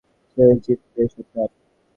যে জিতবে সব তার।